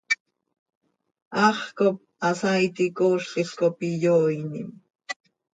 Hax cop hasaaiti coozlil cop iyooinim.